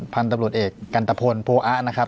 กับหลวนเอกกันตะพนโพอะนะครับ